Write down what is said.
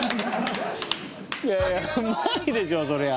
いやいやうまいでしょうそりゃあ。